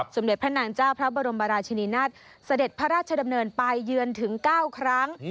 สมเด็จพระนางเจ้าพระบรมราชินีนาฏเสด็จพระราชดำเนินไปเยือนถึง๙ครั้ง